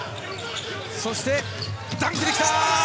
そしてダンクできた！